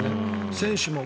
選手も。